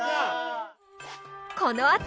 このあと！